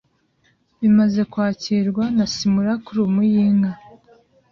Bimaze kwakirwa na simulacrum y'inka